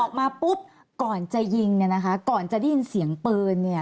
ออกมาปุ๊บก่อนจะยิงเนี่ยนะคะก่อนจะได้ยินเสียงปืนเนี่ย